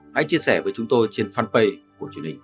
hãy chia sẻ với chúng tôi trên fanpage của truyền hình công an nhân dân